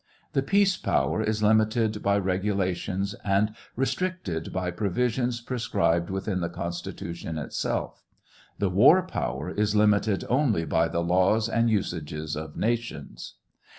The peace power is limited by regulations and restricted by provisions prescribed within the Constitution itself. The war power is limited only by the laws and usages of nations.